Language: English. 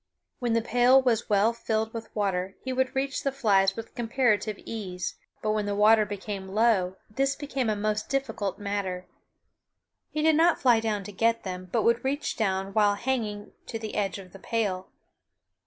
When the pail was well filled with water he could reach the flies with comparative ease; but when the water became low this became a most difficult matter. He did not fly down to get them, but would reach down while hanging to the edge of the pail.